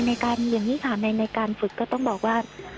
อย่างนี้ค่ะในการฝึกก็ต้องบอกว่า